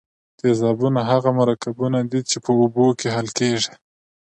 تیزابونه هغه مرکبونه دي چې په اوبو کې حل کیږي.